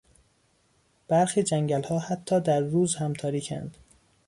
برخی جنگلها حتی در روز هم تاریکاند.